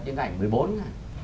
những ảnh một mươi bốn nhé